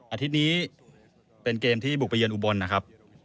อาทิตย์นี้เป็นเกมที่บุกไปเยือนอุบลนะครับ